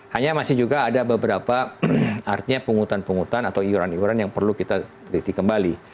hanya masih juga ada beberapa artinya penghutan penghutan atau iuran iuran yang perlu kita teliti kembali